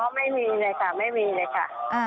ไม่มีเลยค่ะไม่มีเลยค่ะ